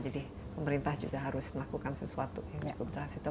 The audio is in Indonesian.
jadi pemerintah juga harus melakukan sesuatu yang cukup terhati hati